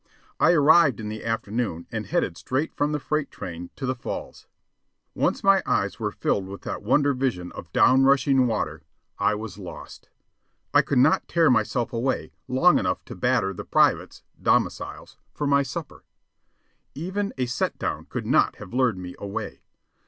I arrived in the afternoon and headed straight from the freight train to the falls. Once my eyes were filled with that wonder vision of down rushing water, I was lost. I could not tear myself away long enough to "batter" the "privates" (domiciles) for my supper. Even a "set down" could not have lured me away.